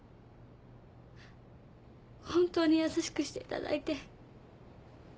本当に優しくしていただいて。